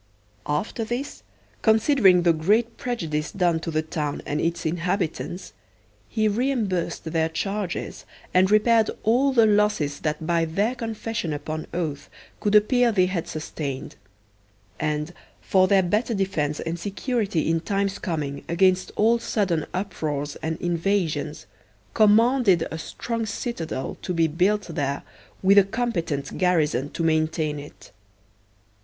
After this, considering the great prejudice done to the town and its inhabitants, he reimbursed their charges and repaired all the losses that by their confession upon oath could appear they had sustained; and, for their better defence and security in times coming against all sudden uproars and invasions, commanded a strong citadel to be built there with a competent garrison to maintain it.